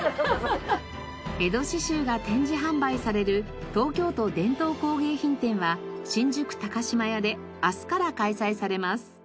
江戸刺繍が展示販売される東京都伝統工芸品展は新宿島屋で明日から開催されます。